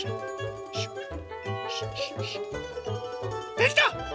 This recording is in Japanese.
できた！